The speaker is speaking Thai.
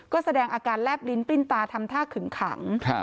ก็แสดงอาการแลบลิ้นปลิ้นตาทำท่าขึงขัง